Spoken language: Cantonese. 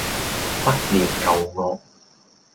不念舊惡